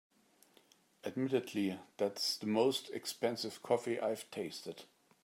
Admittedly, that is the most expensive coffee I’ve tasted.